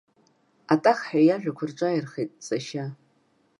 Атахҳәа иажәақәа рҿааирхеит сашьа.